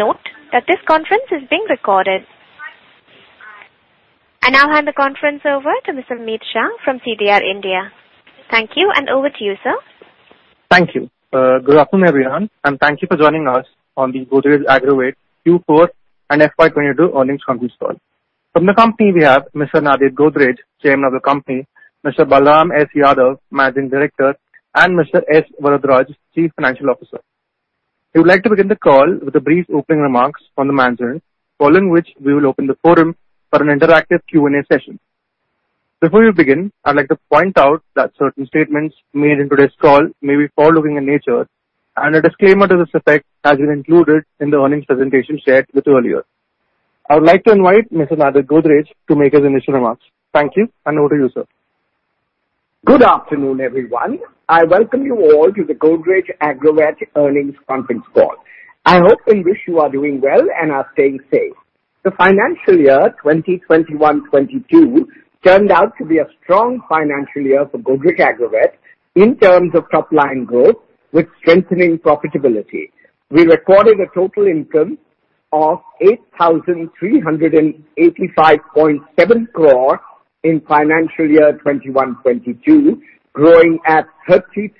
Please note that this conference is being recorded. I now hand the conference over to Mr. Mit Shah from CDR India. Thank you and over to you, sir. Thank you. Good afternoon, everyone, and thank you for joining us on the Godrej Agrovet Q4 and FY 22 earnings conference call. From the company, we have Mr. Nadir Godrej, Chairman of the company, Mr. Balram S. Yadav, Managing Director, and Mr. S. Varadaraj, Chief Financial Officer. We would like to begin the call with a brief opening remarks from the management, following which we will open the forum for an interactive Q&A session. Before we begin, I'd like to point out that certain statements made in today's call may be forward-looking in nature, and a disclaimer to this effect has been included in the earnings presentation shared with you earlier. I would like to invite Mr. Nadir Godrej to make his initial remarks. Thank you, and over to you, sir. Good afternoon, everyone. I welcome you all to the Godrej Agrovet earnings conference call. I hope and wish you are doing well and are staying safe. The financial year 2021-2022 turned out to be a strong financial year for Godrej Agrovet in terms of top line growth with strengthening profitability. We recorded a total income of 8,385.7 crore in financial year 2021-22, growing at 33%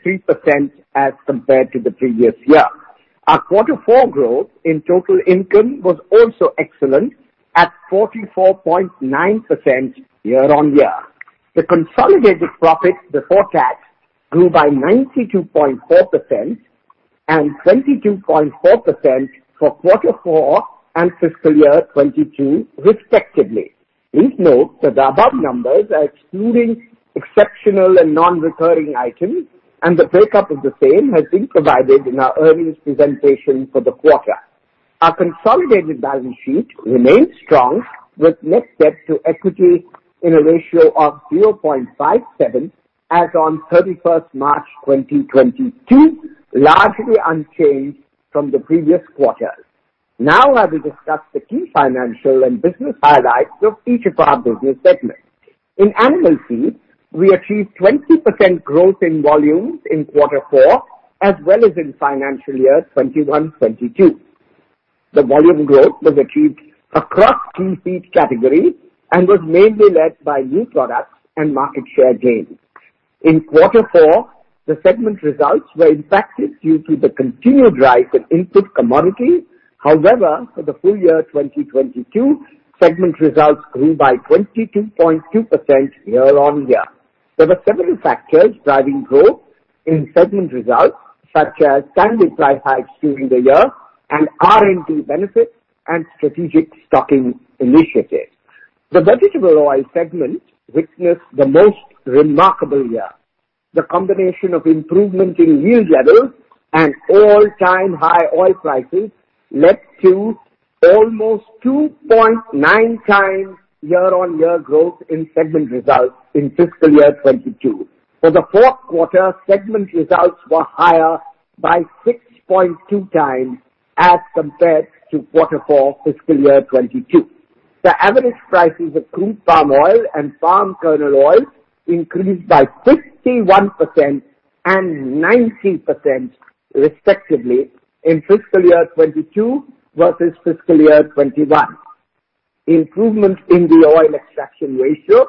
as compared to the previous year. Our quarter four growth in total income was also excellent at 44.9% year-on-year. The consolidated profit before tax grew by 92.4% and 22.4% for quarter four and fiscal year 2022 respectively. Please note that the above numbers are excluding exceptional and non-recurring items and the breakup of the same has been provided in our earnings presentation for the quarter. Our consolidated balance sheet remains strong with net debt to equity in a ratio of 0.57 as on March 31st, 2022, largely unchanged from the previous quarter. Now, I will discuss the key financial and business highlights of each of our business segments. In animal feed, we achieved 20% growth in volumes in Q4 as well as in financial year 2021-2022. The volume growth was achieved across key feed categories and was mainly led by new products and market share gains. In Q4, the segment results were impacted due to the continued rise in input commodity. However, for the full-year 2022, segment results grew by 22.2% year-on-year. There were several factors driving growth in segment results, such as timely price hikes during the year and R&D benefits and strategic stocking initiatives. The vegetable oil segment witnessed the most remarkable year. The combination of improvement in yield levels and all-time high oil prices led to almost 2.9 times year-on-year growth in segment results in fiscal year 2022. For the fourth quarter, segment results were higher by 6.2 times as compared to quarter four fiscal year 2022. The average prices of crude palm oil and palm kernel oil increased by 51% and 90% respectively in fiscal year 2022 versus fiscal year 2021. Improvement in the oil extraction ratio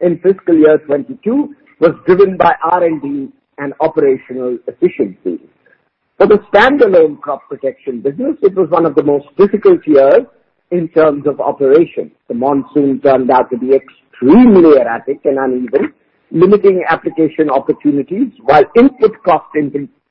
in fiscal year 2022 was driven by R&D and operational efficiencies. For the standalone crop protection business, it was one of the most difficult years in terms of operations. The monsoon turned out to be extremely erratic and uneven, limiting application opportunities while input cost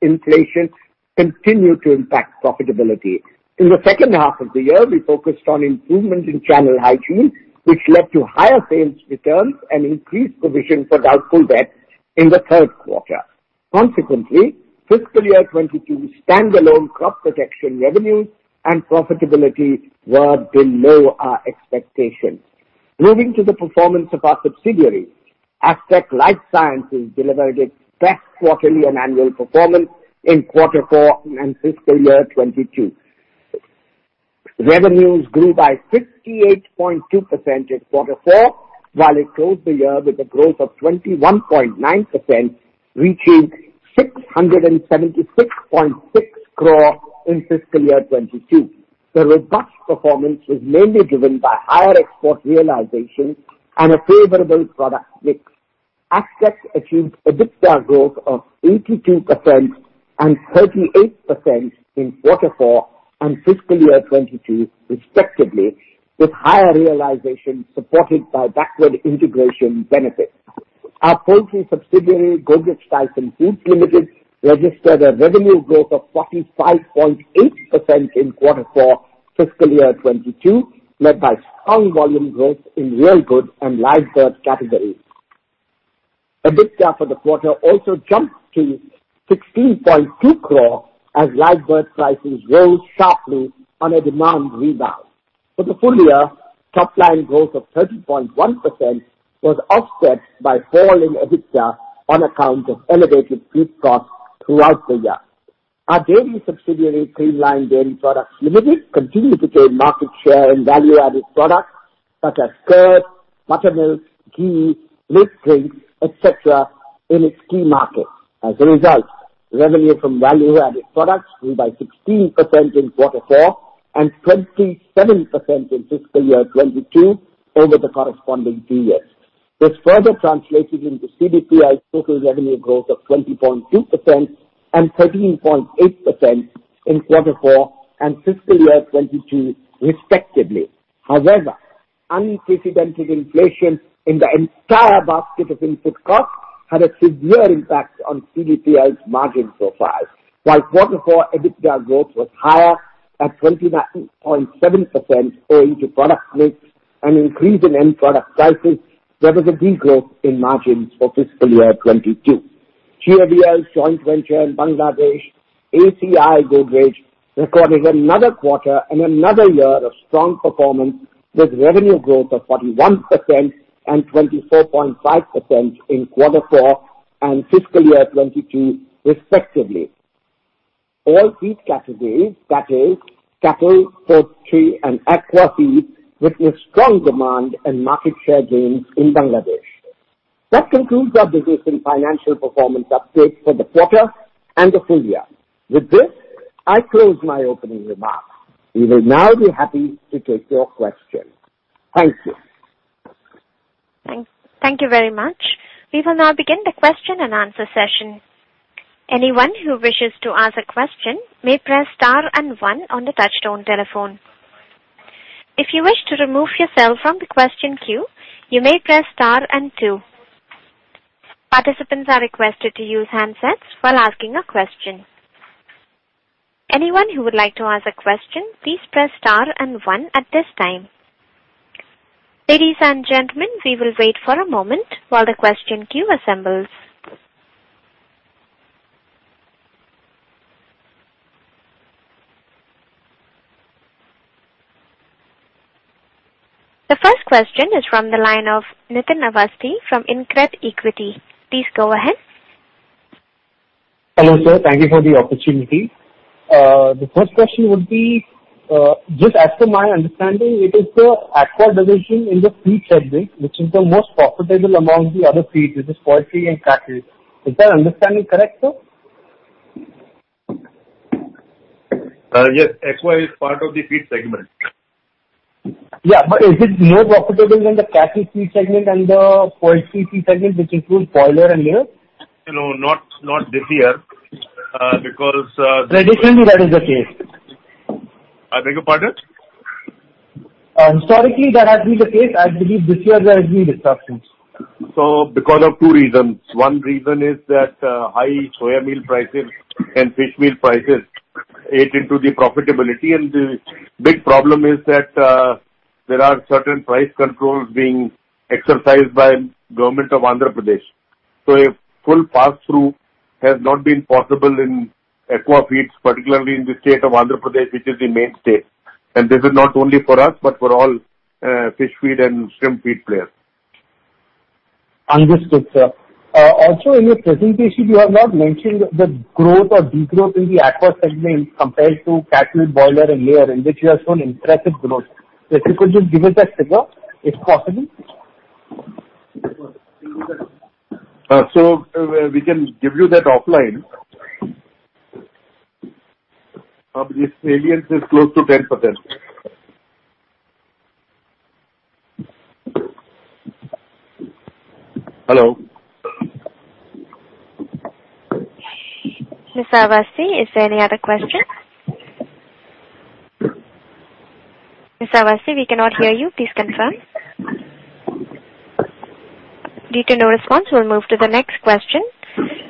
inflation continued to impact profitability. In the second half of the year, we focused on improvement in channel hygiene, which led to higher sales returns and increased provision for doubtful debts in the third quarter. Consequently, fiscal year 2022 standalone crop protection revenues and profitability were below our expectations. Moving to the performance of our subsidiary, Astec LifeSciences delivered its best quarterly and annual performance in quarter four and fiscal year 2022. Revenues grew by 68.2% in quarter four, while it closed the year with a growth of 21.9%, reaching 676.6 crore in fiscal year 2022. The robust performance was mainly driven by higher export realization and a favorable product mix. Astec achieved EBITDA growth of 82% and 38% in quarter four and fiscal year 2022 respectively, with higher realization supported by backward integration benefits. Our poultry subsidiary, Godrej Tyson Foods Limited, registered a revenue growth of 45.8% in quarter four fiscal year 2022, led by strong volume growth in Real Good and Live Bird categories. EBITDA for the quarter also jumped to 16.2 crore, as live bird prices rose sharply on a demand rebound. For the full-year, top line growth of 30.1% was offset by falling EBITDA on account of elevated feed costs throughout the year. Our dairy subsidiary, Creamline Dairy Products Limited, continued to gain market share in value-added products, such as curd, buttermilk, ghee, whipped cream, et cetera, in its key markets. As a result, revenue from value-added products grew by 16% in quarter four and 27% in fiscal year 2022 over the corresponding two years. This further translated into CDPL's total revenue growth of 20.2% and 13.8% in quarter four and fiscal year 2022 respectively. However, unprecedented inflation in the entire basket of input costs had a severe impact on CDPL's margin profile. While quarter four EBITDA growth was higher at 29.7% owing to product mix and increase in end product prices, there was a degrowth in margins for fiscal year 2022. GAVL's joint venture in Bangladesh, ACI Godrej Agrovet, recorded another quarter and another year of strong performance with revenue growth of 41% and 24.5% in quarter four and fiscal year 2022 respectively. All feed categories, that is cattle, poultry and aqua feed, witnessed strong demand and market share gains in Bangladesh. That concludes our business and financial performance update for the quarter and the full-year. With this, I close my opening remarks. We will now be happy to take your questions. Thank you. Thank you very much. We will now begin the question-and-answer session. Anyone who wishes to ask a question may press star and one on the touchtone telephone. If you wish to remove yourself from the question queue, you may press star and two. Participants are requested to use handsets while asking a question. Anyone who would like to ask a question, please press star and one at this time. Ladies and gentlemen, we will wait for a moment while the question queue assembles. The first question is from the line of Nitin Awasthi from InCred Equities. Please go ahead. Hello, sir. Thank you for the opportunity. The first question would be, just as per my understanding, it is the aqua division in the feed segment which is the most profitable among the other feeds, which is poultry and cattle. Is that understanding correct, sir? Yes. Aqua is part of the feed segment. Yeah. Is it more profitable than the cattle feed segment and the poultry feed segment, which includes broiler and layer? No, not this year, because. Traditionally, that is the case. I beg your pardon? Historically, that has been the case. I believe this year there has been disruption. Because of two reasons. One reason is that, high soya meal prices and fish meal prices ate into the profitability. The big problem is that, there are certain price controls being exercised by Government of Andhra Pradesh. A full passthrough has not been possible in aqua feeds, particularly in the state of Andhra Pradesh, which is the main state. This is not only for us, but for all, fish feed and shrimp feed players. Understood, sir. Also in your presentation, you have not mentioned the growth or degrowth in the aqua segment compared to cattle, broiler and layer, in which you have shown impressive growth. If you could just give us that figure, if possible. We can give you that offline. This variance is close to 10%. Hello? Mr. Awasthi, is there any other question? Mr. Awasthi, we cannot hear you. Please confirm. Due to no response, we'll move to the next question.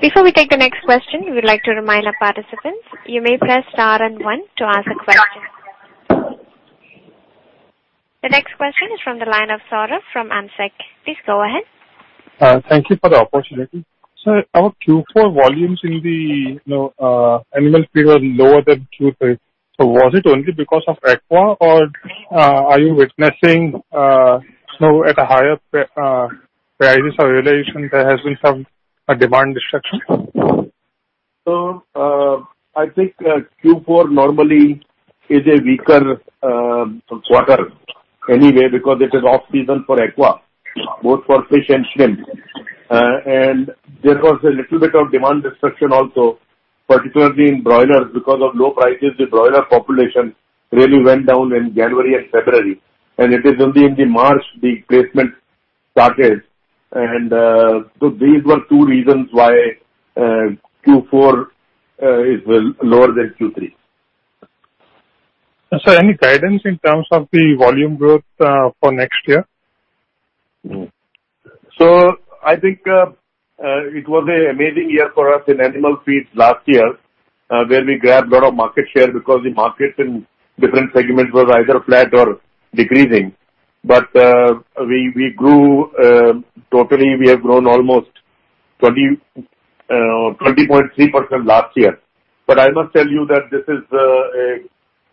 Before we take the next question, we would like to remind our participants, you may press star and one to ask a question. The next question is from the line of Saurabh from AMSEC. Please go ahead. Thank you for the opportunity. Our Q4 volumes in the animal feed was lower than Q3. Was it only because of aqua or are you witnessing you know at a higher price realization there has been some demand destruction? I think Q4 normally is a weaker quarter anyway because it is off-season for aqua, both for fish and shrimp. There was a little bit of demand destruction also, particularly in broilers. Because of low prices, the broiler population really went down in January and February, and it is only in the March the placement started and, so these were two reasons why, Q4, is lower than Q3. Any guidance in terms of the volume growth, for next year? I think it was an amazing year for us in animal feeds last year, where we grabbed a lot of market share because the markets in different segments were either flat or decreasing. We grew. Totally we have grown almost 20.3% last year. I must tell you that this is an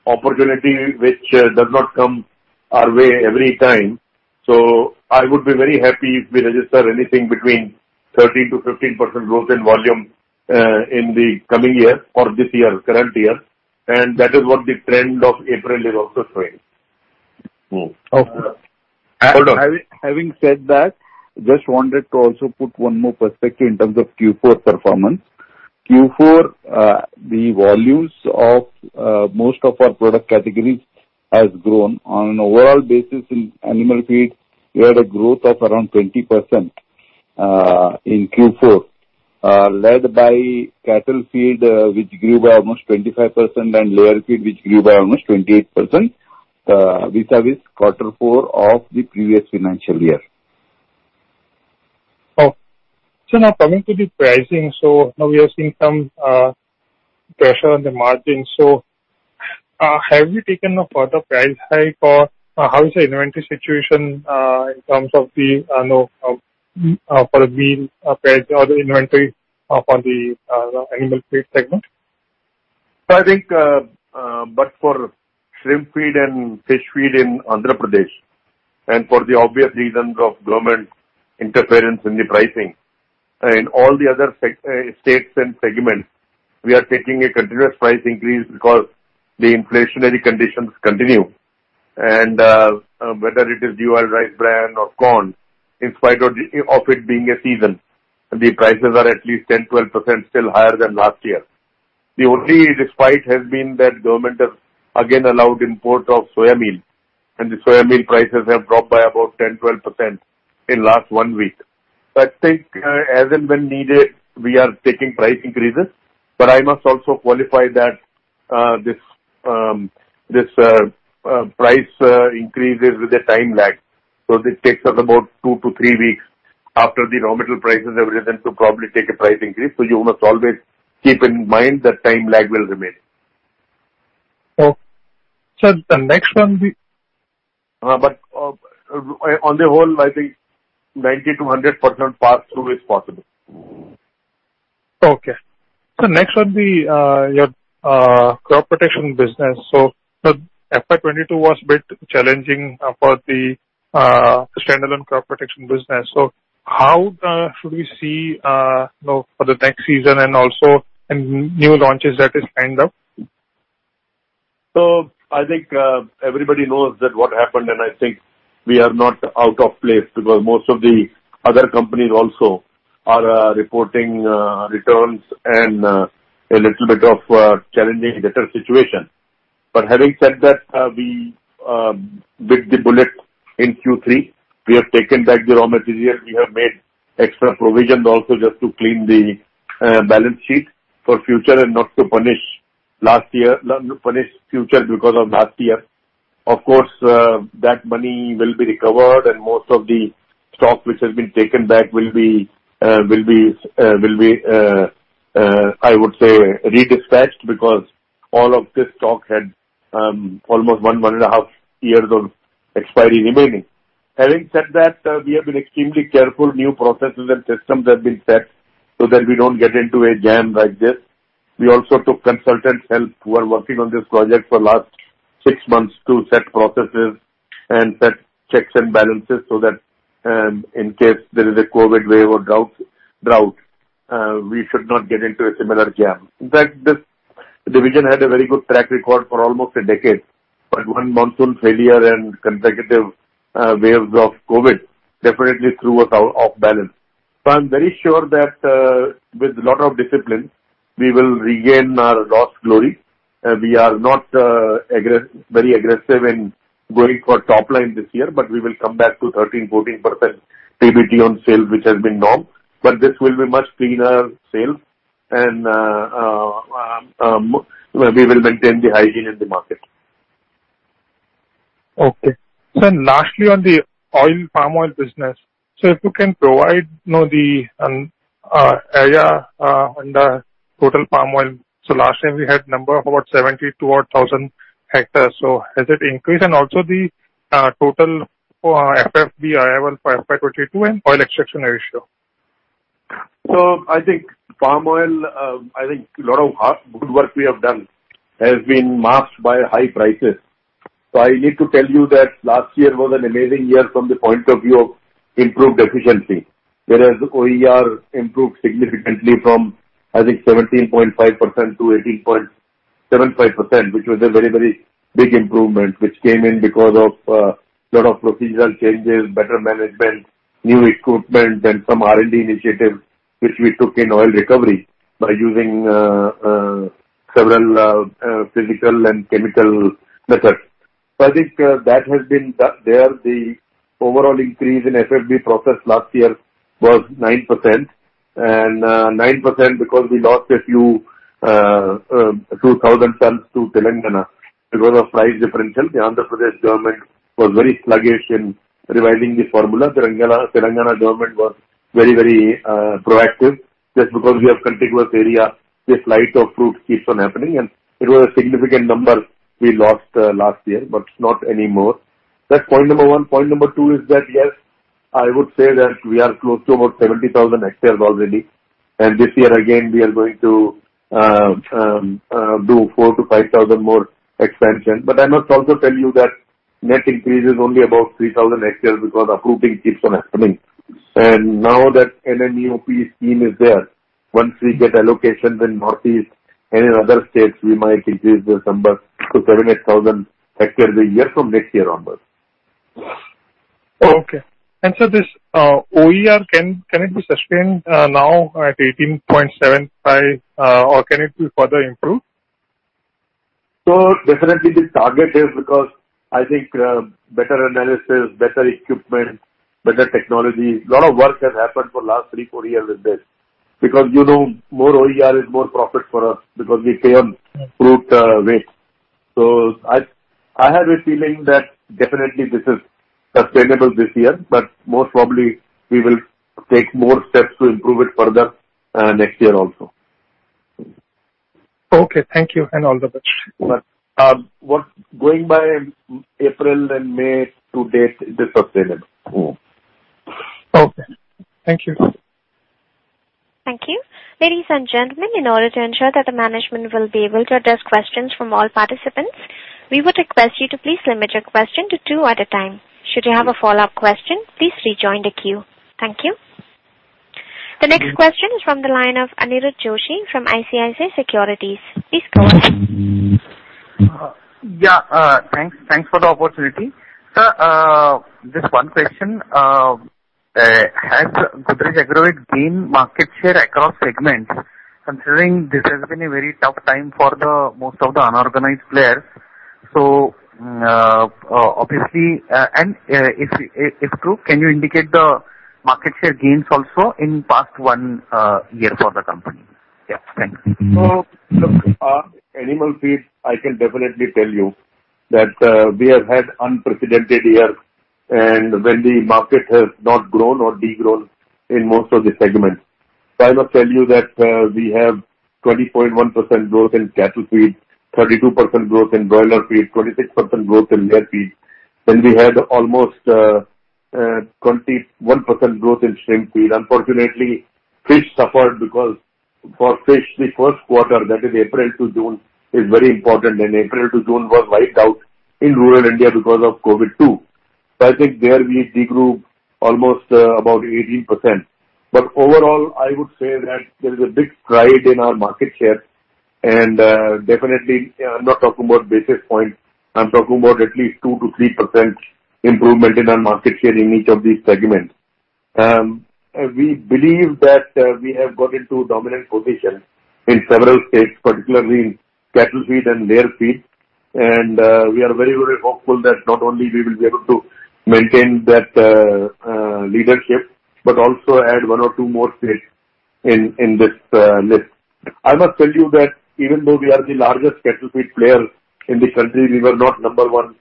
opportunity which does not come our way every time. I would be very happy if we register anything between 13%-15% growth in volume in the coming year or this year, current year. That is what the trend of April is also showing. Okay. Hold on. Having said that, just wanted to also put one more perspective in terms of Q4 performance. Q4, the volumes of most of our product categories has grown. On an overall basis in animal feed, we had a growth of around 20%, in Q4, led by cattle feed, which grew by almost 25% and layer feed, which grew by almost 28%, vis-a-vis quarter four of the previous financial year. Okay. Now coming to the pricing, now we are seeing some pressure on the margin. Have you taken a further price hike or how is the inventory situation in terms of the you know for the bean feed or the inventory upon the animal feed segment? I think for shrimp feed and fish feed in Andhra Pradesh, and for the obvious reasons of government interference in the pricing, in all the other states and segments, we are taking a continuous price increase because the inflationary conditions continue. Whether it is de-oiled rice bran or corn, in spite of it being a season, the prices are at least 10%-12% still higher than last year. The only respite has been that government has again allowed import of soya meal, and the soya meal prices have dropped by about 10%-12% in last one week. I think as and when needed, we are taking price increases, but I must also qualify that this price increases with a time lag. This takes us about two to three weeks after the raw material prices have risen to probably take a price increase. You must always keep in mind the time lag will remain. Okay. The next one. On the whole, I think 90%-100% pass-through is possible. Okay. Your Crop Protection business. FY 2022 was a bit challenging for the standalone Crop Protection business. How should we see, you know, for the next season and also any new launches that is lined up? I think everybody knows that what happened, and I think we are not out of place because most of the other companies also are reporting returns and a little bit of challenging debtor situation. Having said that, we bit the bullet in Q3. We have taken back the raw material. We have made extra provisions also just to clean the balance sheet for future and not to punish future because of last year. Of course, that money will be recovered and most of the stock which has been taken back will be, I would say, redispatched because all of this stock had almost 1.5 years of expiry remaining. Having said that, we have been extremely careful. New processes and systems have been set so that we don't get into a jam like this. We also took consultants' help who are working on this project for last six months to set processes and set checks and balances so that in case there is a COVID wave or drought we should not get into a similar jam. In fact, this division had a very good track record for almost a decade, but one monsoon failure and consecutive waves of COVID definitely threw us off balance. I'm very sure that with lot of discipline, we will regain our lost glory. We are not very aggressive in going for top line this year, but we will come back to 13%-14% EBIT on sales, which has been norm. This will be much cleaner sales, and we will maintain the hygiene in the market. Okay. Lastly, on the oil palm oil business. If you can provide, you know, the area and total palm oil. Last time we had number of about 72,000 hectares. Has it increased? And also the total FFB arrival for FY 2022 and oil extraction ratio. I think palm oil, I think a lot of hard, good work we have done has been masked by high prices. I need to tell you that last year was an amazing year from the point of view of improved efficiency. Whereas OER improved significantly from, I think 17.5% to 18.75%, which was a very, very big improvement, which came in because of lot of procedural changes, better management, new equipment and some R&D initiatives which we took in oil recovery by using several physical and chemical methods. I think that has been done there. The overall increase in FFB processed last year was 9%. 9% because we lost a few 2,000 tons to Telangana because of price differential. The Andhra Pradesh government was very sluggish in revising the formula. Telangana government was very, very proactive. Just because we have contiguous area, this flight of fruit keeps on happening, and it was a significant number we lost last year, but not anymore. That's point number one. Point number two is that, yes, I would say that we are close to about 70,000 hectares already. This year again, we are going to do 4,000-5,000 more expansion. But I must also tell you that net increase is only about 3,000 hectares because uprooting keeps on happening. Now that NMEO-OP scheme is there, once we get allocations in northeast and in other states, we might increase this number to 7,000-8,000 hectares a year from next year onwards. This OER, can it be sustained now at 18.75%, or can it be further improved? Definitely the target is because I think, better analysis, better equipment, better technology. A lot of work has happened for last three, four years with this because, you know, more OER is more profit for us because we pay on fruit weight. I have a feeling that definitely this is sustainable this year, but most probably we will take more steps to improve it further, next year also. Okay. Thank you and all the best. Going by April and May to-date, it is sustainable. Okay. Thank you. Thank you. Ladies and gentlemen, in order to ensure that the management will be able to address questions from all participants, we would request you to please limit your question to two at a time. Should you have a follow-up question, please rejoin the queue. Thank you. The next question is from the line of Aniruddha Joshi from ICICI Securities. Please go ahead. Yeah. Thanks. Thanks for the opportunity. Sir, just one question. Has Godrej Agrovet gained market share across segments, considering this has been a very tough time for most of the unorganized players? If true, can you indicate the market share gains also in past one year for the company? Yeah, thanks. Look, on animal feed, I can definitely tell you that we have had an unprecedented year and when the market has not grown or de-grew in most of the segments. I must tell you that we have 20.1% growth in cattle feed, 32% growth in broiler feed, 26% growth in layer feed. We had almost 21% growth in shrimp feed. Unfortunately, fish suffered because for fish the first quarter, that is April to June, is very important. April to June was wiped out in rural India because of COVID too. I think there we de-grew almost about 18%. Overall, I would say that there is a big stride in our market share. Definitely I'm not talking about basis points. I'm talking about at least 2%-3% improvement in our market share in each of these segments. We believe that, we have got into dominant position in several states, particularly in cattle feed and layer feed. We are very, very hopeful that not only we will be able to maintain that leadership, but also add one or two more states in this list. I must tell you that even though we are the largest cattle feed player in the country, we were not number one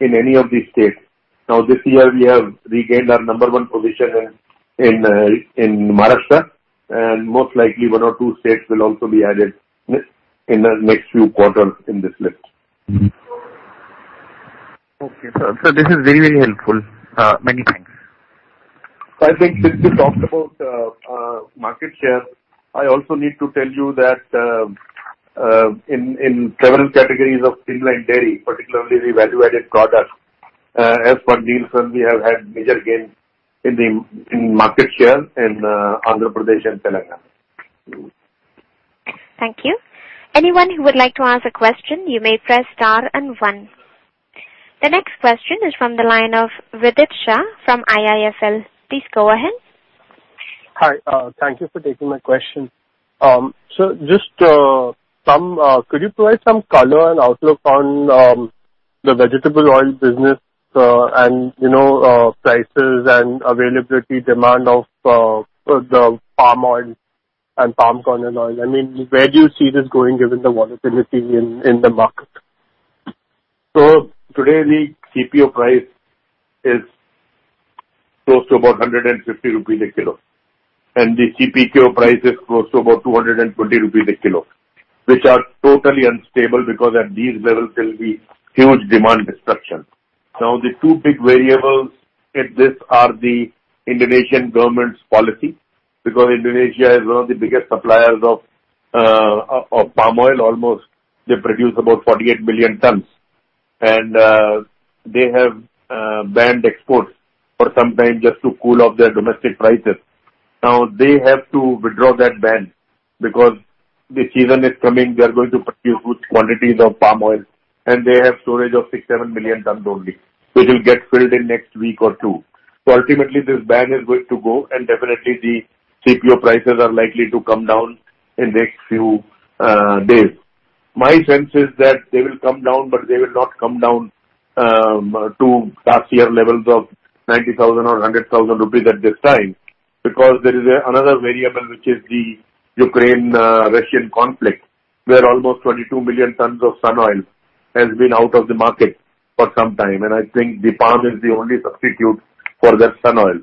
in any of these states. Now, this year we have regained our number one position in Maharashtra, and most likely one or two states will also be added in the next few quarters in this list. Okay, sir. This is very, very helpful. Many thanks. I think since we talked about market share, I also need to tell you that in several categories of poultry and dairy, particularly the value-added products, as per Nielsen we have had major gains in market share in Andhra Pradesh and Telangana. Thank you. Anyone who would like to ask a question, you may press star and one. The next question is from the line of Vidit Shah from IIFL. Please go ahead. Hi. Thank you for taking my question. Could you provide some color and outlook on the vegetable oil business, and, you know, prices and availability, demand of the palm oil and palm kernel oil. I mean, where do you see this going, given the volatility in the market? Today the CPO price is close to about 150 rupees a kg, and the CPKO price is close to about 220 rupees a kg, which are totally unstable because at these levels there'll be huge demand destruction. The two big variables at this are the Indonesian government's policy, because Indonesia is one of the biggest suppliers of palm oil. Almost they produce about 48 million tons. They have banned exports for some time just to cool off their domestic prices. They have to withdraw that ban because the season is coming. They are going to produce good quantities of palm oil, and they have storage of 6 million-7 million tons only, which will get filled in next week or two. Ultimately this ban is going to go, and definitely the CPO prices are likely to come down in next few days. My sense is that they will come down, but they will not come down to last year levels of 90,000 or 100,000 rupees at this time. Because there is another variable, which is the Ukraine-Russian conflict, where almost 22 million tons of sunflower oil has been out of the market for some time. I think the palm oil is the only substitute for that sunflower oil.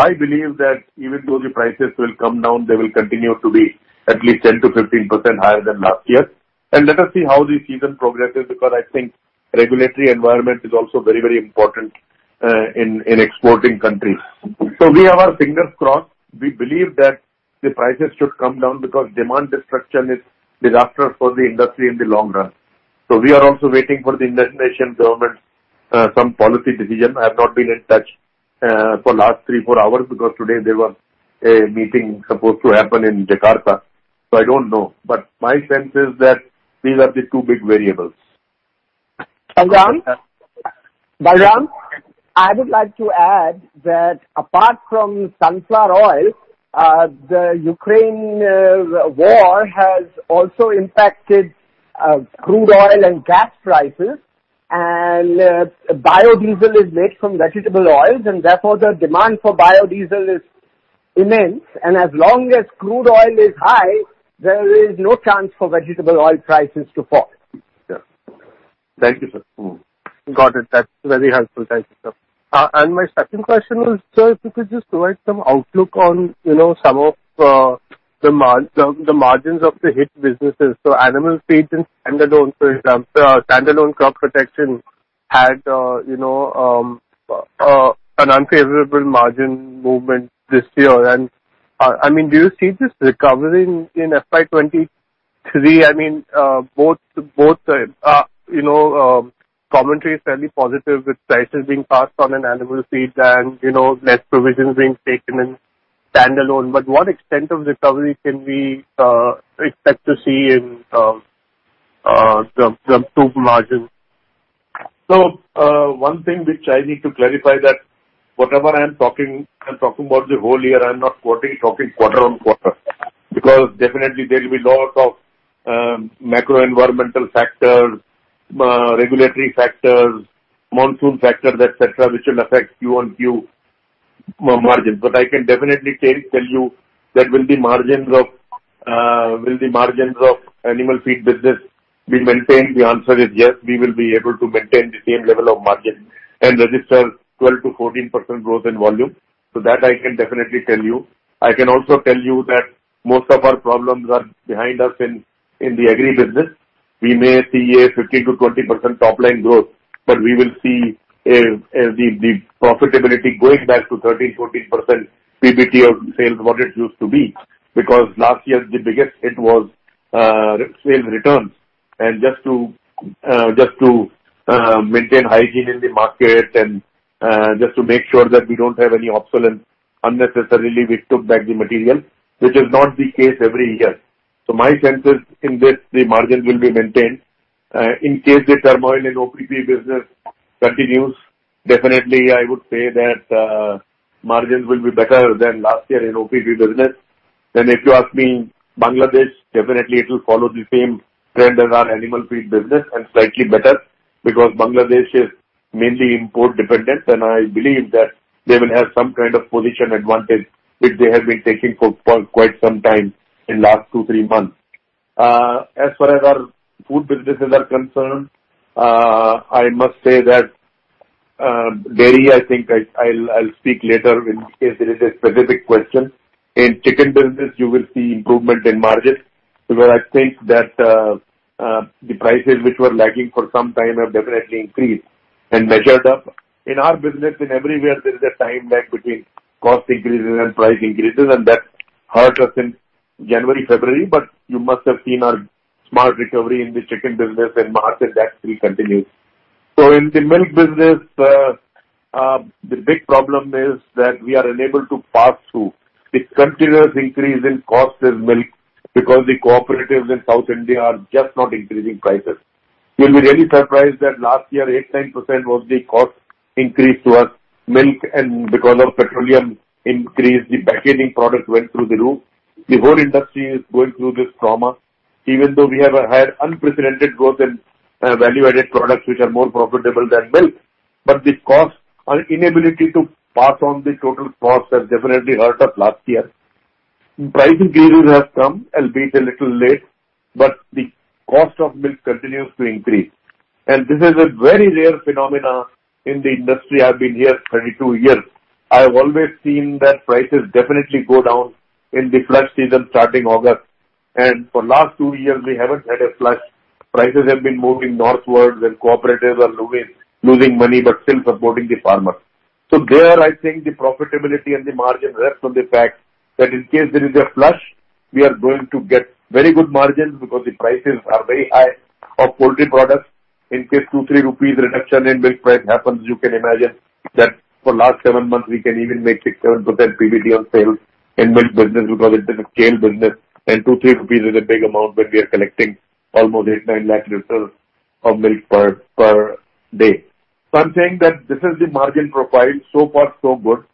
I believe that even though the prices will come down, they will continue to be at least 10%-15% higher than last year. Let us see how the season progresses, because I think regulatory environment is also very, very important in exporting countries. We have our fingers crossed. We believe that the prices should come down because demand destruction is disastrous for the industry in the long run. We are also waiting for the Indonesian government's some policy decision. I have not been in touch for last three, four hours because today there was a meeting supposed to happen in Jakarta, so I don't know. My sense is that these are the two big variables. Balram? Balram, I would like to add that apart from sunflower oil, the Ukraine war has also impacted crude oil and gas prices. Biodiesel is made from vegetable oils, and therefore, the demand for biodiesel is immense. As long as crude oil is high, there is no chance for vegetable oil prices to fall. Yeah. Thank you, sir. Mm-hmm. Got it. That's very helpful. Thank you, sir. My second question was, sir, if you could just provide some outlook on, you know, some of the margins of the hit businesses. Animal feed and standalone, for example, standalone crop protection had, you know, an unfavorable margin movement this year. I mean, do you see this recovering in FY 2023? I mean, both are, you know, commentary is fairly positive with prices being passed on in animal feed and, you know, less provisions being taken in standalone. What extent of recovery can we expect to see in the two margins? One thing which I need to clarify that whatever I am talking, I'm talking about the whole year, I'm not talking quarter-on-quarter. Because definitely there'll be lots of macro-environmental factors, regulatory factors, monsoon factors, et cetera, which will affect quarter-on-quarter margins. I can definitely tell you that will the margins of animal feed business be maintained? The answer is yes. We will be able to maintain the same level of margin and register 12%-14% growth in volume. That I can definitely tell you. I can also tell you that most of our problems are behind us in the agri business. We may see a 15%-20% top-line growth, but we will see the profitability going back to 13%-14% PBT of sales what it used to be. Because last year, the biggest hit was sales returns. Just to maintain hygiene in the market and just to make sure that we don't have any obsolete unnecessarily, we took back the material. Which is not the case every year. My sense is in this, the margin will be maintained. In case the turmoil in OPP business continues, definitely I would say that margins will be better than last year in OPP business. If you ask me, Bangladesh, definitely it will follow the same trend as our animal feed business and slightly better because Bangladesh is mainly import-dependent. I believe that they will have some kind of position advantage which they have been taking for quite some time in last two to three months. As far as our food businesses are concerned, I must say that dairy, I think I'll speak later in case there is a specific question. In chicken business you will see improvement in margins, where I think that the prices which were lagging for some time have definitely increased and measured up. In our business, everywhere there is a time lag between cost increases and price increases, and that hurt us in January, February. You must have seen our smart recovery in the chicken business and margin, that will continue. In the milk business, the big problem is that we are unable to pass through the continuous increase in cost of milk because the cooperatives in South India are just not increasing prices. You'll be really surprised that last year 8%-9% of the cost increase was milk and because of petroleum increase, the packaging product went through the roof. The whole industry is going through this trauma. Even though we have a higher unprecedented growth in value-added products which are more profitable than milk. The cost or inability to pass on the total cost has definitely hurt us last year. Price increases have come, albeit a little late, but the cost of milk continues to increase. This is a very rare phenomenon in the industry. I've been here 22 years. I have always seen that prices definitely go down in the flush season starting August. For last two years we haven't had a flush. Prices have been moving northward and cooperatives are losing money, but still supporting the farmers. There I think the profitability and the margin rests on the fact that in case there is a flush, we are going to get very good margins because the prices are very high of poultry products. In case 2-3 rupees reduction in milk price happens, you can imagine that for last seven months we can even make 6%-7% PBT on sales in milk business because it is a scale business and 2-3 rupees is a big amount when we are collecting almost 8 lakh L-9 lakh L of milk per day. I'm saying that this is the margin profile. So far, so good.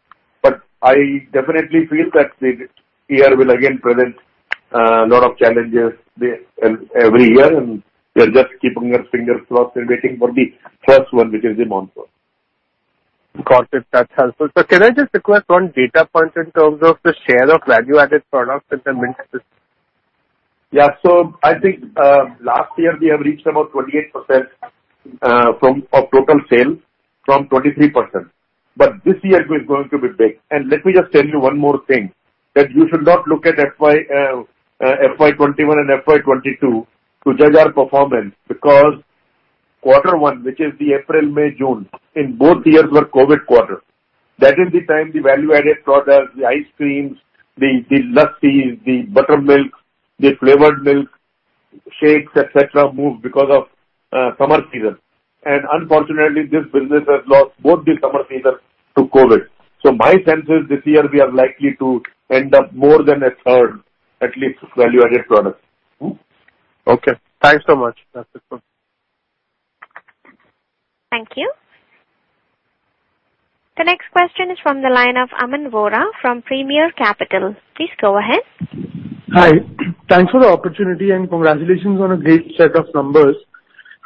I definitely feel that this year will again present lot of challenges every year and we are just keeping our fingers crossed and waiting for the first one, which is the monsoon. Got it. That's helpful. Sir, can I just request one data point in terms of the share of value-added products in the milk business? Yeah. I think last year we have reached about 28% from 23% of total sales. This year it is going to be big. Let me just tell you one more thing, that you should not look at FY 2021 and FY 2022 to judge our performance because quarter one, which is April, May, June, in both years were COVID quarter. That is the time the value-added products, the ice creams, the lassis, the buttermilk, the flavored milk shakes, et cetera, move because of summer season. Unfortunately, this business has lost both the summer seasons to COVID. My sense is this year we are likely to end up more than a third, at least, value-added products. Okay. Thanks so much. That's it for. Thank you. The next question is from the line of Aman Vora from Premier Capital. Please go ahead. Hi. Thanks for the opportunity, and congratulations on a great set of numbers.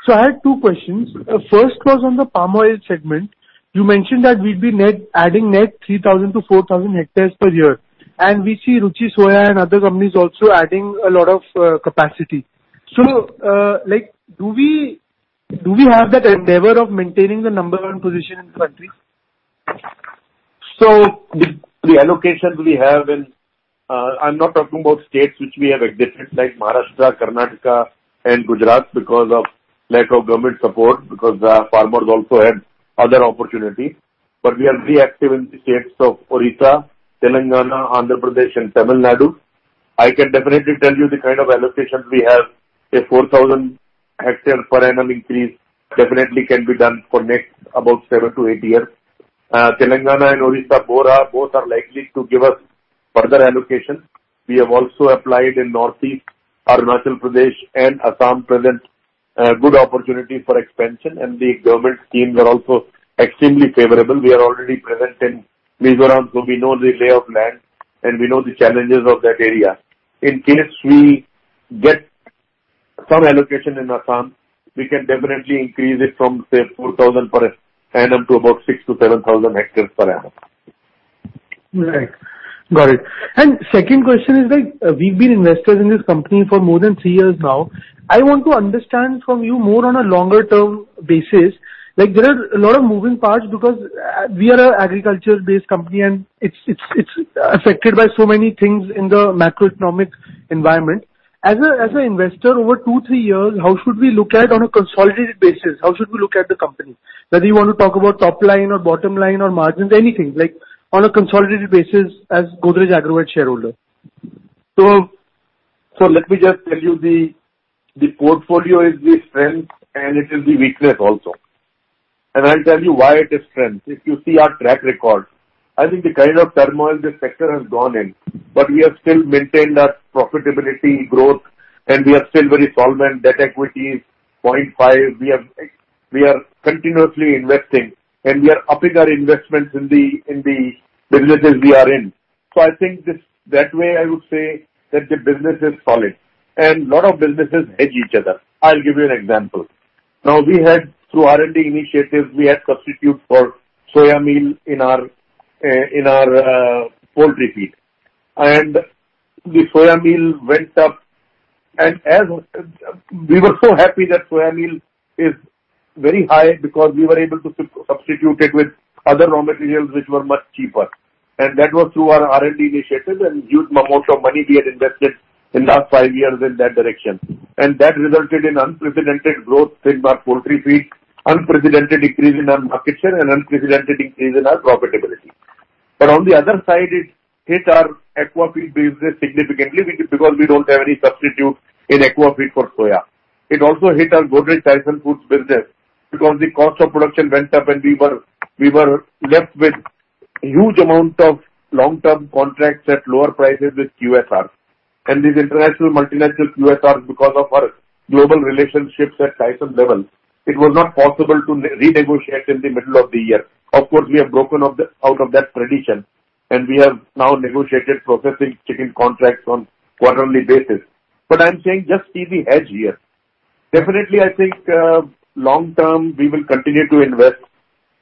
I had two questions. The first was on the palm oil segment. You mentioned that we'd be adding net 3,000-4,000 hectares per year. We see Ruchi Soya and other companies also adding a lot of capacity. Like, do we have that endeavor of maintaining the number one position in the country? The allocation we have in, I'm not talking about states which we have exited, like Maharashtra, Karnataka and Gujarat because of lack of government support, because the farmers also had other opportunities. We are active in the states of Odisha, Telangana, Andhra Pradesh and Tamil Nadu. I can definitely tell you the kind of allocations we have, say 4,000 hectares per annum increase definitely can be done for next about seven to eight years. Telangana and Odisha, both are likely to give us further allocations. We have also applied in Northeast Arunachal Pradesh and Assam presents a good opportunity for expansion, and the government schemes are also extremely favorable. We are already present in Mizoram, so we know the lay of land and we know the challenges of that area. In case we get some allocation in Assam, we can definitely increase it from, say, 4,000 per annum to about 6,000-7,000 hectares per annum. Right. Got it. Second question is like we've been investors in this company for more than three years now. I want to understand from you more on a longer term basis, like there are a lot of moving parts because we are an agriculture-based company and it's affected by so many things in the macroeconomic environment. As an investor over two, three years, how should we look at on a consolidated basis? How should we look at the company? Whether you want to talk about top line or bottom line or margins, anything. Like, on a consolidated basis as Godrej Agrovet shareholder. Let me just tell you the portfolio is the strength and it is the weakness also. I'll tell you why it is strength. If you see our track record, I think the kind of turmoil this sector has gone in, but we have still maintained our profitability growth and we are still very solvent. Debt equity is 0.5. We are continuously investing and we are upping our investments in the businesses we are in. I think this, that way I would say that the business is solid. Lot of businesses hedge each other. I'll give you an example. Through R&D initiatives, we had substitute for soya meal in our poultry feed. The soya meal went up. As. We were so happy that soya meal is very high because we were able to substitute it with other raw materials which were much cheaper. That was through our R&D initiatives and huge amounts of money we had invested in last five years in that direction. That resulted in unprecedented growth in our poultry feed, unprecedented increase in our market share and unprecedented increase in our profitability. On the other side, it hit our aquafeed business significantly because we don't have any substitute in aquafeed for soya. It also hit our Godrej Tyson Foods business because the cost of production went up and we were left with huge amount of long-term contracts at lower prices with QSRs. These international multinational QSRs, because of our global relationships at Tyson levels, it was not possible to re-negotiate in the middle of the year. Of course, we have broken out of that tradition, and we have now negotiated processing chicken contracts on quarterly basis. I'm saying just see the hedge here. Definitely, I think, long term, we will continue to invest.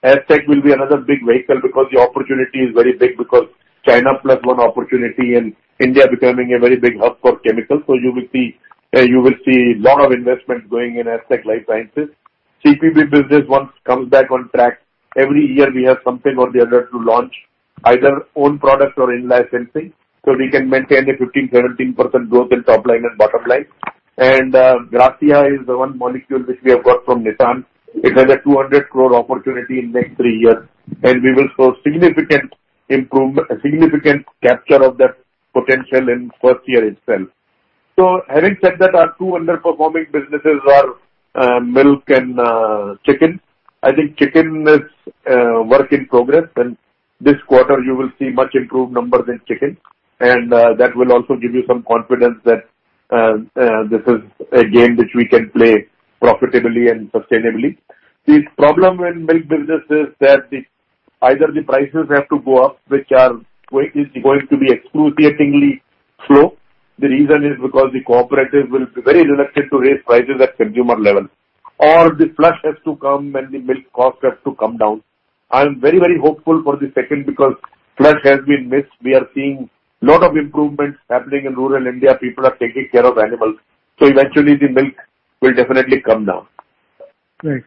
AgTech will be another big vehicle because the opportunity is very big because China plus one opportunity and India becoming a very big hub for chemicals. You will see, you will see lot of investment going in AgTech life sciences. CPB business once comes back on track, every year we have something or the other to launch, either own products or in-licensing, so we can maintain a 15%-17% growth in top line and bottom line. Gracia is the one molecule which we have got from Nissan. It has a 200 crore opportunity in next three years, and we will show significant capture of that potential in first year itself. Having said that, our two underperforming businesses are milk and chicken. I think chicken is work in progress, and this quarter you will see much improved numbers in chicken. That will also give you some confidence that this is a game which we can play profitably and sustainably. The problem in milk business is that either the prices have to go up, which is going to be excruciatingly slow. The reason is because the cooperatives will be very reluctant to raise prices at consumer level. Or the flush has to come and the milk cost has to come down. I am very, very hopeful for the second because flush has been missed. We are seeing lot of improvements happening in rural India. People are taking care of animals. Eventually the milk will definitely come down. Right.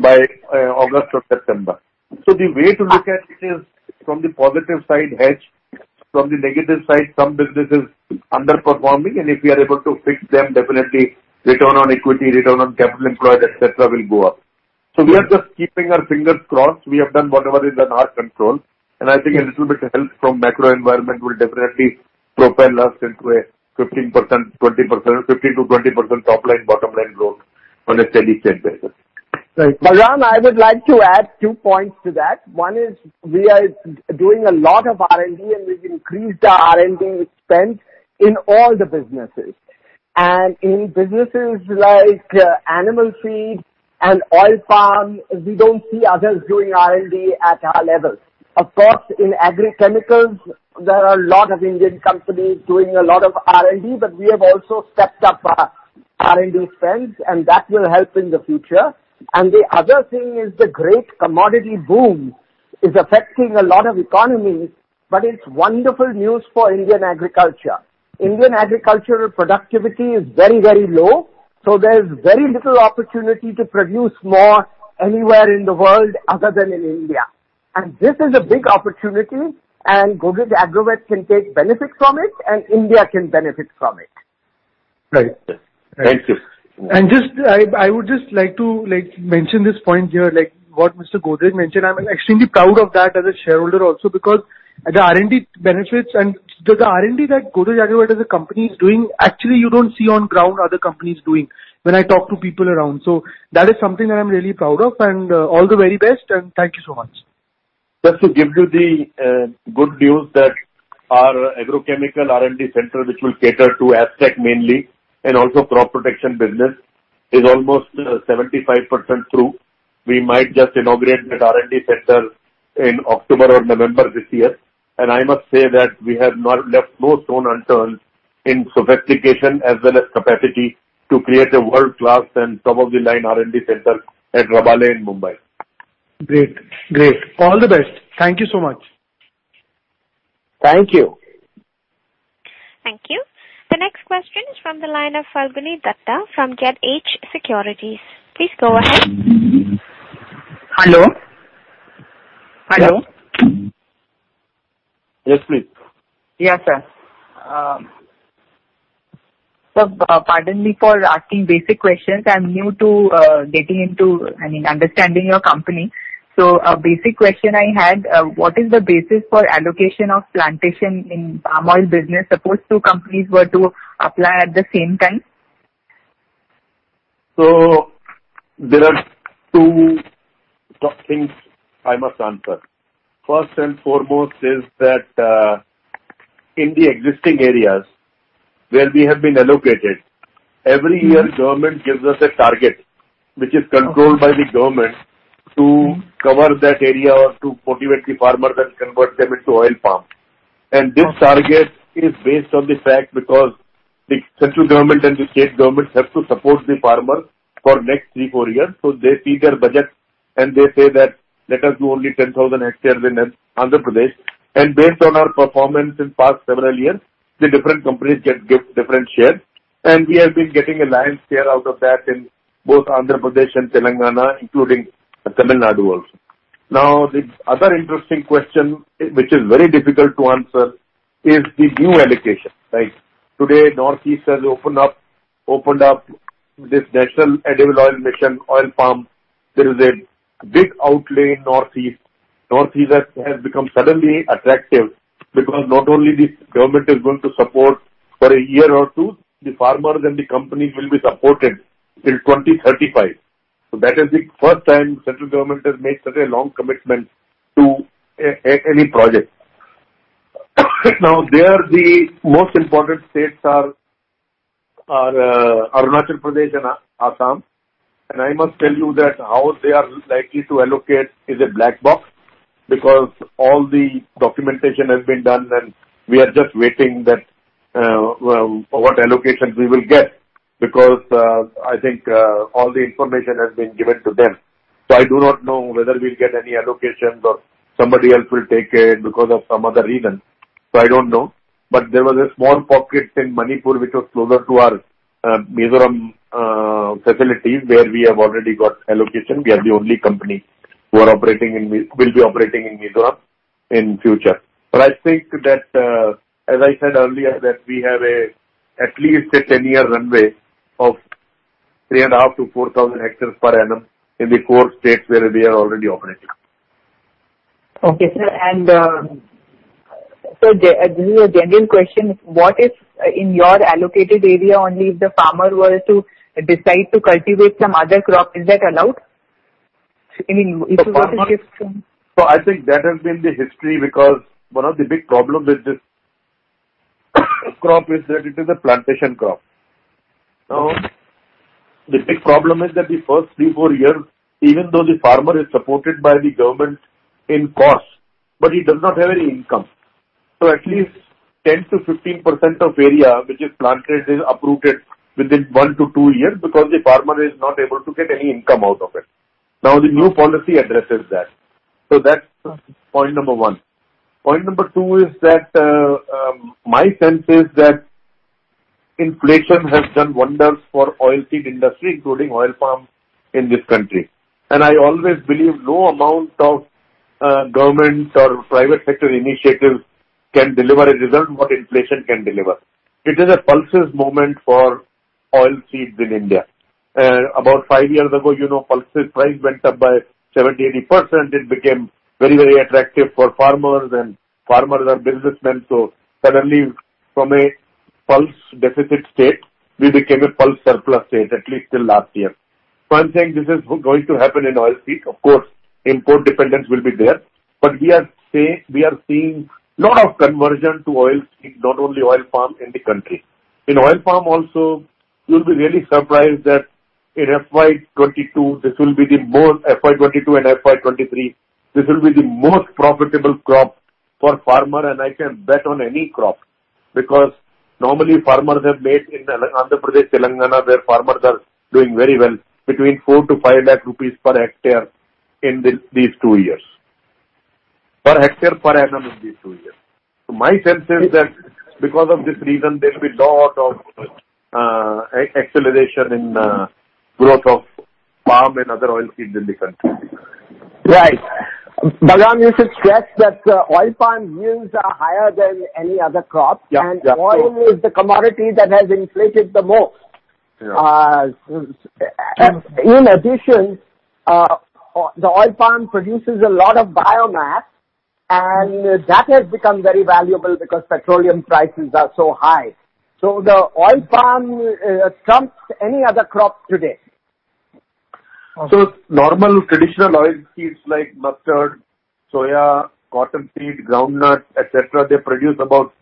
By August or September. The way to look at it is from the positive side. From the negative side, some business is underperforming, and if we are able to fix them, definitely return on equity, return on capital employed, et cetera, will go up. We are just keeping our fingers crossed. We have done whatever is in our control, and I think a little bit of help from macro environment will definitely propel us into a 15%-20% top line, bottom line growth on a steady-state basis. Right. Madan, I would like to add two points to that. One is we are doing a lot of R&D, and we've increased our R&D spend in all the businesses. In businesses like animal feed and oil palm, we don't see others doing R&D at our levels. Of course, in agrochemicals, there are a lot of Indian companies doing a lot of R&D, but we have also stepped up our R&D spends, and that will help in the future. The other thing is the great commodity boom is affecting a lot of economies, but it's wonderful news for Indian agriculture. Indian agricultural productivity is very, very low, so there's very little opportunity to produce more anywhere in the world other than in India. This is a big opportunity, and Godrej Agrovet can take benefits from it, and India can benefit from it. Right. Thank you. I would just like to, like, mention this point here, like what Mr. Godrej mentioned. I'm extremely proud of that as a shareholder also because the R&D benefits and the R&D that Godrej Agrovet as a company is doing, actually you don't see on ground other companies doing when I talk to people around. That is something that I'm really proud of and all the very best and thank you so much. Just to give you the good news that our agrochemical R&D center, which will cater to Astec LifeSciences mainly and also crop protection business, is almost 75% through. We might just inaugurate that R&D center in October or November this year. I must say that we have not left no stone unturned in sophistication as well as capacity to create a world-class and top-of-the-line R&D center at Rabale in Mumbai. Great. Great. All the best. Thank you so much. Thank you. Thank you. The next question is from the line of Falguni Dutta from Geojit Securities. Please go ahead. Hello? Hello? Yes, please. Yeah, sir. Sir, pardon me for asking basic questions. I'm new to getting into, I mean, understanding your company. A basic question I had, what is the basis for allocation of plantation in palm oil business, suppose two companies were to apply at the same time? There are two things I must answer. First and foremost is that, in the existing areas where we have been allocated, every year government gives us a target which is controlled by the government to cover that area or to cultivate the farmers and convert them into oil palms. This target is based on the fact because the central government and the state government have to support the farmers for next three, four years. They see their budget and they say that, "Let us do only 10,000 hectares in Andhra Pradesh." Based on our performance in past several years, the different companies get, give different shares. We have been getting a lion's share out of that in both Andhra Pradesh and Telangana, including Tamil Nadu also. Now, the other interesting question, which is very difficult to answer, is the new allocation. Right? Today, Northeast has opened up this National Edible Oil Mission Oil Palm. There is a big outlay in Northeast. Northeast has become suddenly attractive because not only the government is going to support for a year or two, the farmers and the companies will be supported till 2035. That is the first time central government has made such a long commitment to any project. Now, there the most important states are Arunachal Pradesh and Assam. I must tell you that how they are likely to allocate is a black box because all the documentation has been done and we are just waiting that what allocations we will get because I think all the information has been given to them. I do not know whether we'll get any allocations or somebody else will take it because of some other reason. I don't know. There was a small pocket in Manipur, which was closer to our Mizoram facility where we have already got allocation. We are the only company who will be operating in Mizoram in future. I think that, as I said earlier, that we have at least a 10-year runway of 3,500-4,000 hectares per annum in the core states where we are already operating. Okay, sir. This is a genuine question. What if in your allocated area only if the farmer were to decide to cultivate some other crop? Is that allowed? I mean, if you want to shift from. I think that has been the history because one of the big problems with this crop is that it is a plantation crop. The big problem is that the first three to four years, even though the farmer is supported by the government in cost, but he does not have any income. At least 10%-15% of area which is planted is uprooted within one to two years because the farmer is not able to get any income out of it. The new policy addresses that. That's point number one. Point number two is that, my sense is that inflation has done wonders for oilseed industry, including oil palm in this country. I always believe no amount of government or private sector initiatives can deliver a result what inflation can deliver. It is a pulses moment for oilseeds in India. About five years ago, you know, pulses price went up by 70%-80%. It became very, very attractive for farmers and farmers are businessmen. Suddenly from a pulse deficit state, we became a pulse surplus state, at least till last year. I'm saying this is going to happen in oilseed. Of course, import dependence will be there, but we are seeing lot of conversion to oilseed, not only oil palm in the country. In oil palm also, you'll be really surprised that in FY 2022 and FY 2023, this will be the most profitable crop for farmer, and I can bet on any crop. Because normally farmers have made in the Andhra Pradesh, Telangana, where farmers are doing very well between 4-5 per hectare in these two years. Per hectare per annum in these two years. My sense is that because of this reason, there'll be lot of acceleration in growth of palm and other oilseeds in the country. Right. Balram, you should stress that oil palm yields are higher than any other crop. Yeah. Yeah. Oil is the commodity that has inflated the most. Yeah. In addition, the oil palm produces a lot of biomass, and that has become very valuable because petroleum prices are so high. The oil palm trumps any other crop today. Normal traditional oilseeds like mustard, soya, cotton seed, groundnut, et cetera, they produce about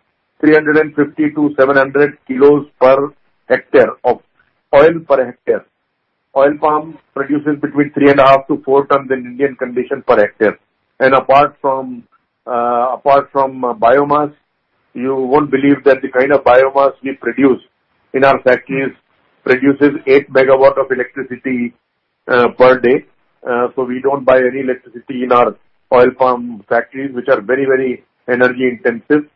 350 kg-700 kg per hectare of oil per hectare. Oil palm produces between 3.5-4 tons in Indian condition per hectare. Apart from biomass, you won't believe that the kind of biomass we produce in our factories produces 8 MW of electricity per day. We don't buy any electricity in our oil palm factories, which are very, very energy intensive.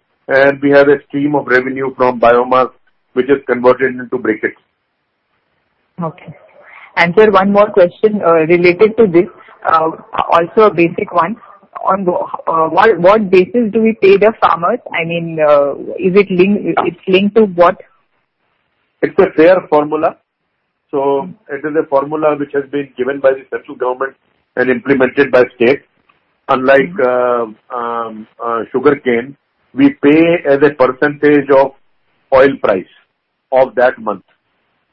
We have a stream of revenue from biomass, which is converted into bricks. Okay. Sir, one more question, related to this. Also a basic one. On what basis do we pay the farmers? I mean, is it linked to what? It's a fair formula. It is a formula which has been given by the central government and implemented by state. Unlike sugarcane, we pay as a percentage of oil price of that month.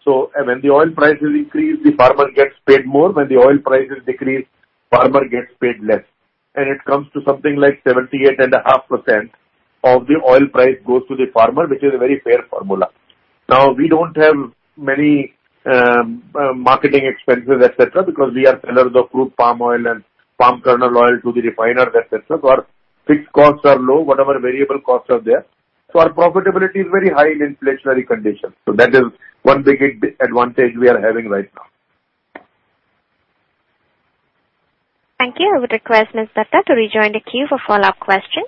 When the oil price will increase, the farmer gets paid more. When the oil price is decreased, farmer gets paid less. It comes to something like 78.5% of the oil price goes to the farmer, which is a very fair formula. Now, we don't have many marketing expenses et cetera, because we are sellers of crude palm oil and palm kernel oil to the refiners et cetera. Our fixed costs are low, whatever variable costs are there. Our profitability is very high in inflationary conditions. That is one big advantage we are having right now. Thank you. I would request Miss Dutta to rejoin the queue for follow-up questions.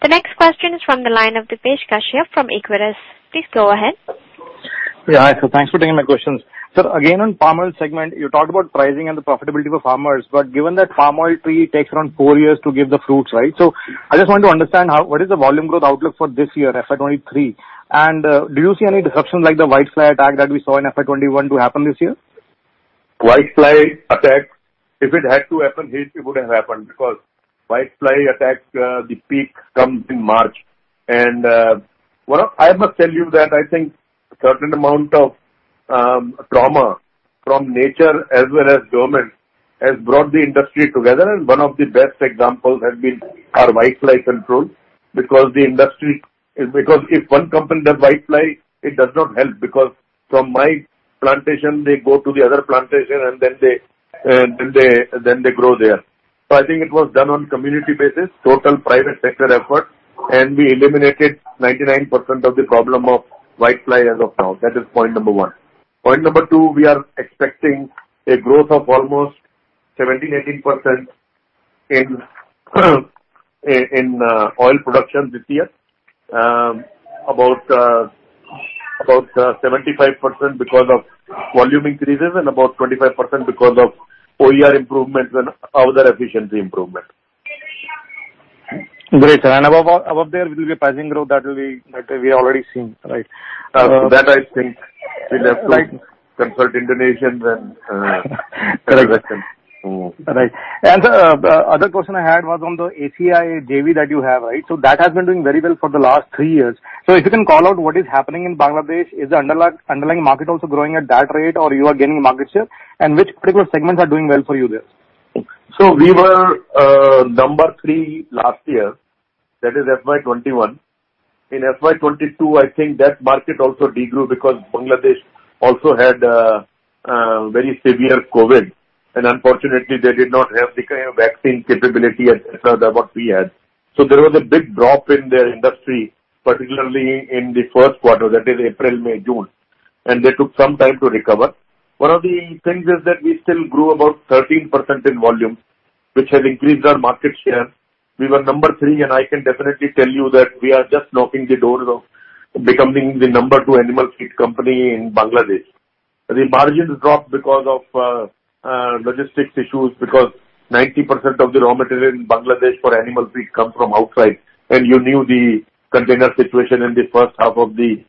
The next question is from the line of Depesh Kashyap from Equirus. Please go ahead. Yeah. Thanks for taking my questions. Sir, again, on palm oil segment, you talked about pricing and the profitability for farmers, but given that palm oil tree takes around four years to give the fruits, right? I just want to understand what is the volume growth outlook for this year, FY 2023. Do you see any disruption like the whitefly attack that we saw in FY 2021 to happen this year? Whitefly attacks, if it had to happen, it would have happened because whitefly attacks, the peak comes in March. Well, I must tell you that I think certain amount of trauma from nature as well as government has brought the industry together, and one of the best examples has been our whitefly control. Because if one company does whitefly, it does not help because from my plantation they go to the other plantation and then they grow there. I think it was done on community basis, total private sector effort, and we eliminated 99% of the problem of whitefly as of now. That is point number one. Point number two, we are expecting a growth of almost 17%-18% in oil production this year. About 75% because of volume increases and about 25% because of OER improvements and other efficiency improvement. Great, sir. Above there will be a pricing growth that we already seen, right? That I think will apply. Consult Indonesians and other questions. Right. Other question I had was on the ACI JV that you have, right? That has been doing very well for the last three years. If you can call out what is happening in Bangladesh, is the underlying market also growing at that rate, or you are gaining market share? Which particular segments are doing well for you there? We were number three last year. That is FY 2021. In FY 2022, I think that market also degrew because Bangladesh also had very severe COVID, and unfortunately, they did not have the kind of vaccine capability et cetera than what we had. There was a big drop in their industry, particularly in the first quarter, that is April, May, June, and they took some time to recover. One of the things is that we still grew about 13% in volume, which has increased our market share. We were number three, and I can definitely tell you that we are just knocking on the doors of becoming the number two animal feed company in Bangladesh. The margins dropped because of logistics issues because 90% of the raw material in Bangladesh for animal feed come from outside. You knew the container situation in the first half of the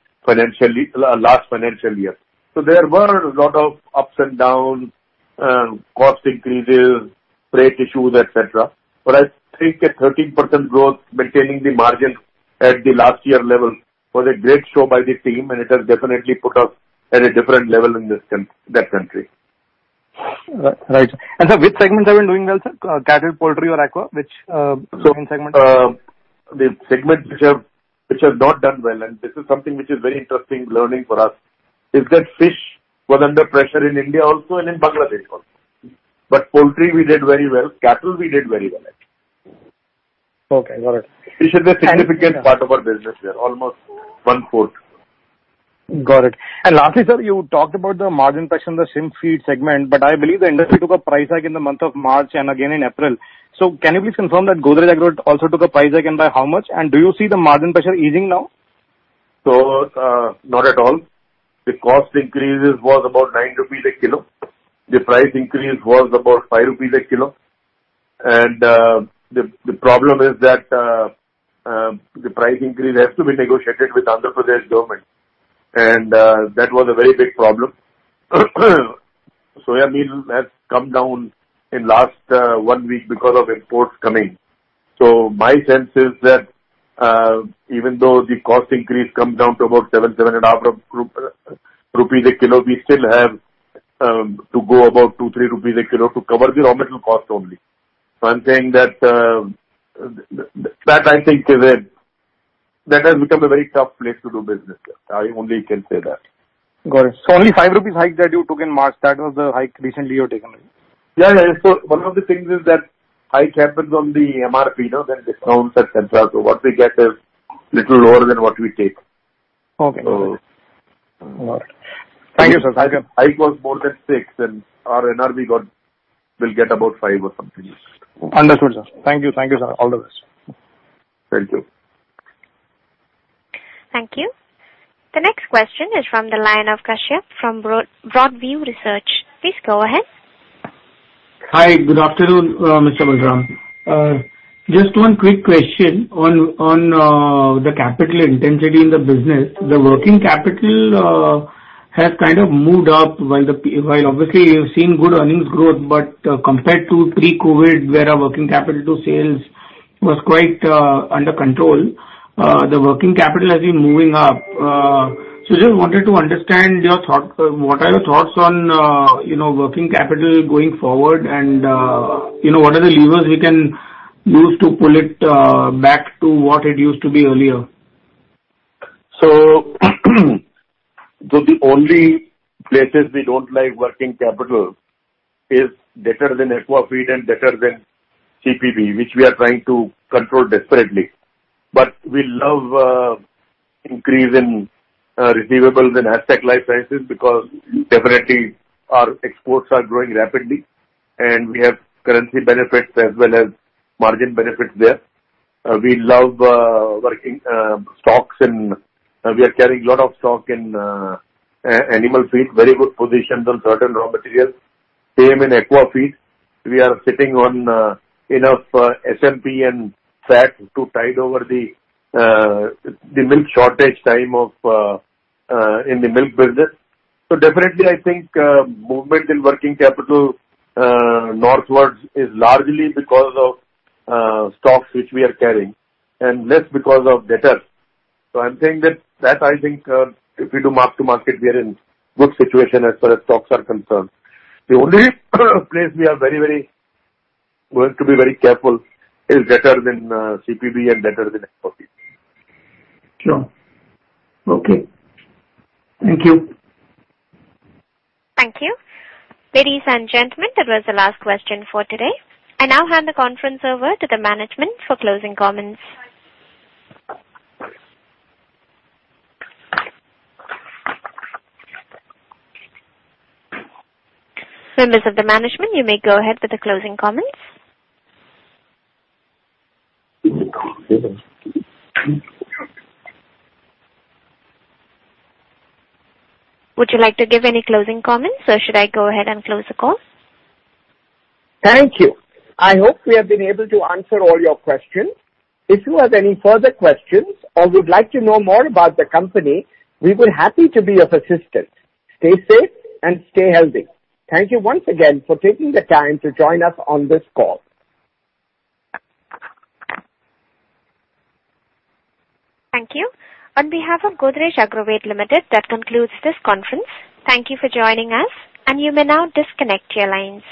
last financial year. There were a lot of ups and downs, cost increases, freight issues, et cetera. I think a 13% growth maintaining the margin at the last year level was a great show by the team, and it has definitely put us at a different level in this country. Right. Sir, which segments have been doing well, sir? Cattle, poultry or aqua, which segment? The segment which have not done well, and this is something which is very interesting learning for us, is that fish was under pressure in India also and in Bangladesh also. Poultry we did very well, cattle we did very well at. Okay, got it. This is a significant part of our business here, almost 1/4. Got it. Lastly, sir, you talked about the margin pressure in the shrimp feed segment. I believe the industry took a price hike in the month of March and again in April. Can you please confirm that Godrej Agro also took a price hike and by how much? Do you see the margin pressure easing now? Not at all. The cost increases was about 9 rupees a kg. The price increase was about 5 rupees a kg. The problem is that the price increase has to be negotiated with Andhra Pradesh government. That was a very big problem. Soya meal has come down in last one week because of imports coming. My sense is that even though the cost increase comes down to about seven and a half rupees a kg, we still have to go about 2-3 rupees a kg to cover the raw material cost only. I'm saying that. That has become a very tough place to do business. I only can say that. Got it. Only 5 rupees hike that you took in March, that was the hike recently you have taken. Yeah, yeah. One of the things is that hike happens on the MRP, you know, then discounts, et cetera. What we get is little lower than what we take. Okay. Got it. Thank you, sir. Hike was more than 6%, and our NRV will get about 5% or something. Understood, sir. Thank you. Thank you, sir. All the best. Thank you. Thank you. The next question is from the line of Kashyap from Broadview Research. Please go ahead. Hi. Good afternoon, Mr. Balram. Just one quick question on the capital intensity in the business. The working capital has kind of moved up while obviously you're seeing good earnings growth, but compared to pre-COVID, where our working capital to sales was quite under control, the working capital has been moving up. Just wanted to understand your thought, what are your thoughts on, you know, working capital going forward and, you know, what are the levers you can use to pull it back to what it used to be earlier? The only places where working capital is better than aqua feed and better than CPB, which we are trying to control desperately. We love increase in receivables and advances because definitely our exports are growing rapidly, and we have currency benefits as well as margin benefits there. We love working stocks and we are carrying lot of stock in animal feed. Very good positions on certain raw materials. Same in aqua feeds. We are sitting on enough SMP and fat to tide over the milk shortage time in the milk business. Definitely I think movement in working capital northwards is largely because of stocks which we are carrying, and less because of debtors. I'm saying that I think if we do mark-to-market, we are in good situation as far as stocks are concerned. The only place we are going to be very careful is in CPB and in aqua feeds. Sure. Okay. Thank you. Thank you. Ladies and gentlemen, that was the last question for today. I now hand the conference over to the management for closing comments. Members of the management, you may go ahead with the closing comments. Would you like to give any closing comments or should I go ahead and close the call? Thank you. I hope we have been able to answer all your questions. If you have any further questions or would like to know more about the company, we will be happy to be of assistance. Stay safe and stay healthy. Thank you once again for taking the time to join us on this call. Thank you. On behalf of Godrej Agrovet Limited, that concludes this conference. Thank you for joining us, and you may now disconnect your lines.